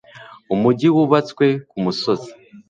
umugi wubatswe ku musozi